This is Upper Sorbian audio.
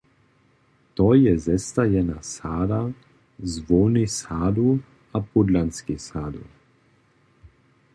To je zestajana sada z hłownej sadu a pódlanskej sadu.